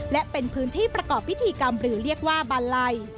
และเป็นพื้นที่ประกอบพิธีกรรมหรือเรียกว่าบาลัย